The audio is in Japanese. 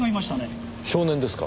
少年ですか？